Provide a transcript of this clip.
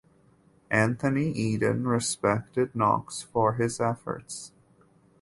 Anthony Eden respected Knox for his efforts.